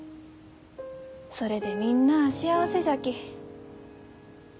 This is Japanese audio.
それでみんなあ幸せじゃき。